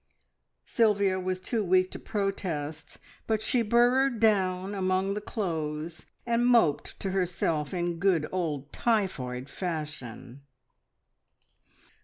Sylvia was too weak to protest, but she burrowed down among the clothes, and moped to herself in good old typhoid fashion.